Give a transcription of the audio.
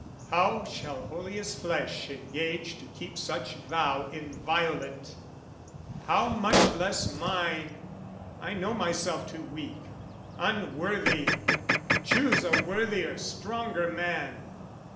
"How shall holiest flesh "Engage to keep such vow inviolate, "How much less mine, I know myself too weak, "Unworthy! Choose a worthier stronger man!"